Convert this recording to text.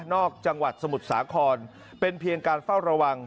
จังหวัดสมุทรสาครเป็นเพียงการเฝ้าระวัง